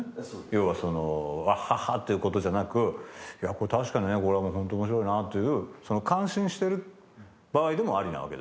要はアハハということじゃなく確かにねこれもホント面白いなっていう感心してる場合でもありなわけですよね？